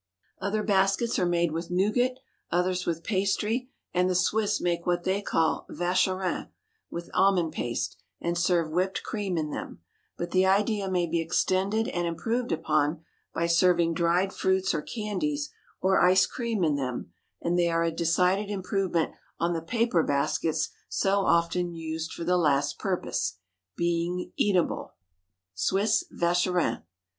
Other baskets are made with nougat, others with pastry, and the Swiss make what they call Vacherin with almond paste, and serve whipped cream in them; but the idea may be extended and improved upon by serving dried fruits or candies, or ice cream in them, and they are a decided improvement on the paper baskets so often used for the last purpose, being eatable. _Swiss Vacherin.